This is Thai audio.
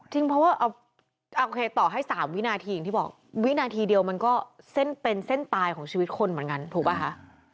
เพราะว่าโอเคต่อให้๓วินาทีอย่างที่บอกวินาทีเดียวมันก็เส้นเป็นเส้นตายของชีวิตคนเหมือนกันถูกป่ะคะ